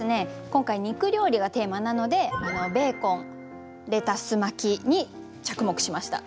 今回「肉料理」がテーマなのでベーコンレタス巻きに着目しました。